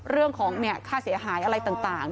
เรื่องของค่าเสียหายอะไรต่าง